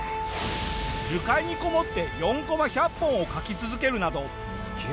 樹海に籠もって４コマ１００本を描き続けるなど。